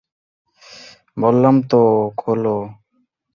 বললাম তো খোলো।